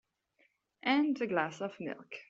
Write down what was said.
And a glass of milk.